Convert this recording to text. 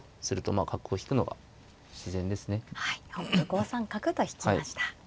５三角と引きました。